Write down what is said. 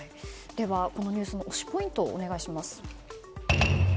このニュースの推しポイントお願いします。